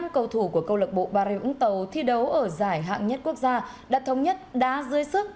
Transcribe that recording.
năm cầu thủ của công an tp hà nội thi đấu ở giải hạng nhất quốc gia đã thống nhất đã dưới sức